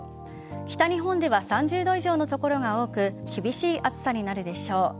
北日本では３０度以上の所が多く厳しい暑さになるでしょう。